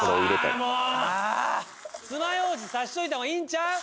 もうつまようじ刺しといたほうがいいんちゃう？